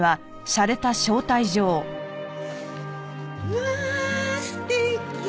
まあ素敵！